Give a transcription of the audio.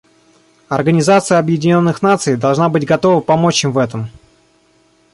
Организация Объединенных Наций должна быть готова помочь им в этом.